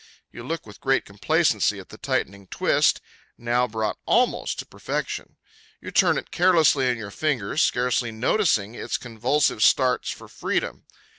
You look with great complacency at the tightening twist, now brought almost to perfection. You turn it carelessly in your fingers, scarcely noticing its convulsive starts for freedom.